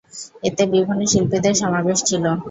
এতে বিভিন্ন শিল্পীদের সমাবেশ ছিলো।